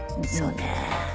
そうね。